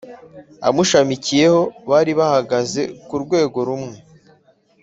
Amushamikiyeho bari bahagaze k’ urwego rumwe